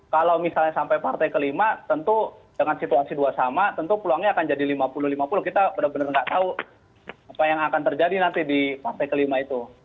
kalau misalnya sampai partai kelima tentu dengan situasi dua sama tentu peluangnya akan jadi lima puluh lima puluh kita benar benar nggak tahu apa yang akan terjadi nanti di partai kelima itu